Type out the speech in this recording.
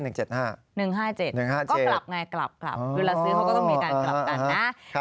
๑๕๗ก็กลับไงกลับอยู่ละซื้อเขาก็ต้องมีการกลับตัดนะ